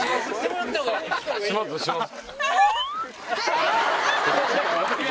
しますします。